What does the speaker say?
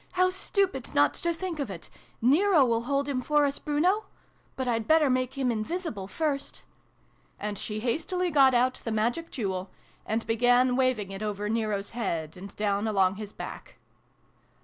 "How stupid not to think of it ! Nero\\ hold him for us, Bruno ! But I'd better make him invisible, first." And she hastily got out the Magic Jewel, and began waving it over Nero's head, and down along his back.